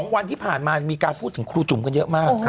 วันที่ผ่านมามีการพูดถึงครูจุ๋มกันเยอะมาก